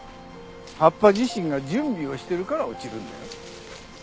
葉っぱ自身が準備をしてるから落ちるんだよ。